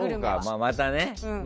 またね。